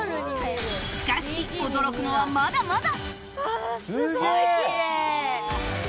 しかし驚くのはまだまだ！